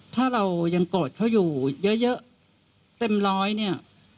ถ้าเรายังโกรธเขาอยู่เยอะเต็มร้อยเนี่ย